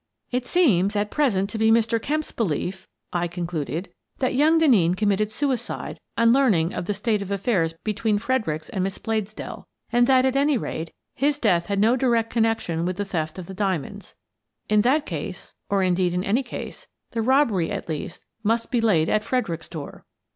" It seems at present to be Mr. Kemp's belief," I concluded, " that young Denneen committed sui cide on learning of the state of affairs between The Chiefs Decision 85 Fredericks and Miss Bladesdell, and that, at any rate, his death had no direct connection with the theft of the diamonds. In that case — or, indeed, in any case — the robbery at least must be laid at Fredericks's door."